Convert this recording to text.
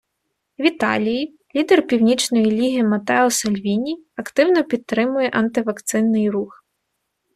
В Італії лідер Північної Ліги Матео Сальвіні активно підтримує анти-вакцинний рух.